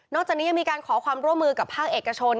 จากนี้ยังมีการขอความร่วมมือกับภาคเอกชน